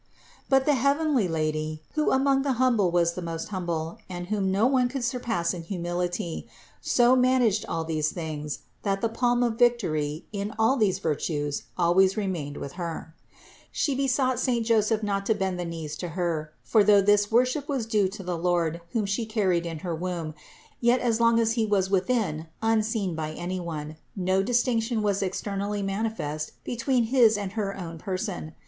419. But the heavenly Lady, who among the humble was the most humble and whom no one could surpass in humility, so managed all these things, that the palm of victory in all these virtues always remained with Her. 343 344 CITY OF GOD She besought saint Joseph not to bend the knees to Her, for though this worship was due to the Lord whom She carried in her womb, yet as long as He was within unseen by any one no distinction was externally manifest between his and her own person.